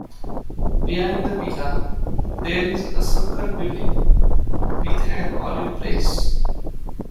Behind the villa, there is a sunken building with an olive press.